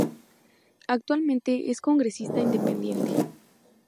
Actualmente es congresista independiente.